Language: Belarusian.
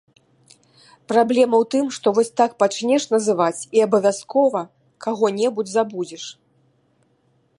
Праблема ў тым, што вось так пачнеш называць, і абавязкова каго-небудзь забудзеш!